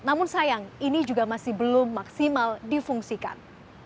namun sayang ini juga masih belum maksimal difungsikan